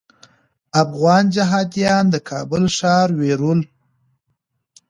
افغان جهاديان د کابل ښار ویرول.